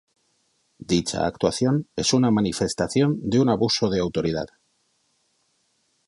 Dicha actuación es una manifestación de un abuso de autoridad.